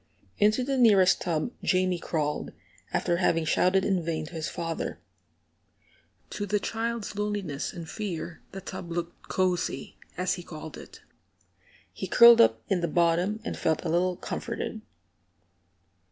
Into the nearest tub Jamie crawled, after having shouted in vain to his father. To the child's loneliness and fear the tub looked "cosey," as he called it. He curled up in the bottom, and felt a little comforted.